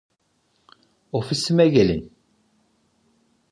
Ofisime gelin.